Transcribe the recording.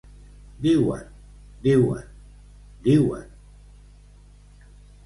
Diuen, diuen, diuen...